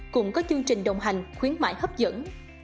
cũng có chương trình đồng hành khuyến mại hấp dẫn